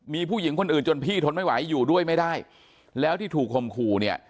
มีผู้หญิงคนอื่นจนพี่ทนไม่ไหวอยู่ด้วยไม่ได้แล้วที่ถูกคมขู่เนี่ย